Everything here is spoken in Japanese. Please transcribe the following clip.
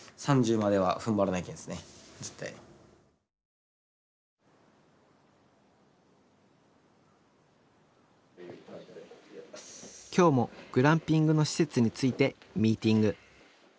最低でも今日もグランピングの施設についてミーティング。